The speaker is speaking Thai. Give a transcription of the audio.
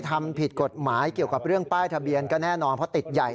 ทำผิดกฎหมายเกี่ยวกับเรื่องป้ายทะเบียนก็แน่นอนเพราะติดใหญ่